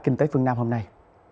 kinh tế phương nam hôm nay